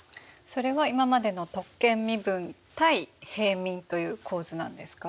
それは今までの特権身分対平民という構図なんですか？